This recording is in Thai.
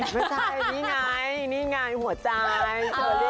ไม่ใช่นี่ไงนี่ไงหัวใจ